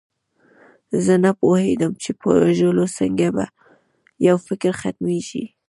زه نه پوهېدم چې په وژلو څنګه یو فکر ختمیږي